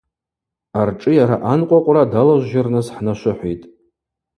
Аршӏыйара анкъвакъвра далажвжьырныс хӏнашвыхӏвитӏ.